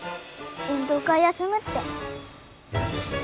運動会休むって。